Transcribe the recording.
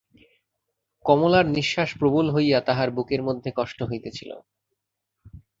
কমলার নিশ্বাস প্রবল হইয়া তাহার বুকের মধ্যে কষ্ট হইতেছিল।